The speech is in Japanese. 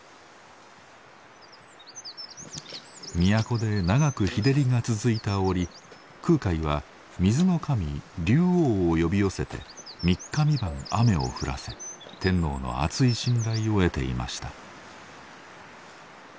都で長く日照りが続いた折空海は水の神竜王を呼び寄せて三日三晩雨を降らせ天皇のあつい信頼を得ていました。